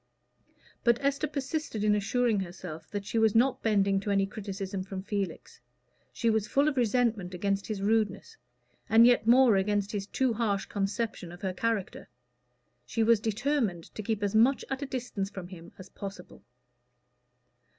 But Esther persisted in assuring herself that she was not bending to any criticism from Felix. She was full of resentment against his rudeness, and yet more against his too harsh conception of her character. She was determined to keep as much at a distance from him as possible.